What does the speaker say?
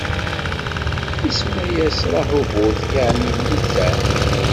Isemma-yas Raḥubut, yeɛni litteɛ;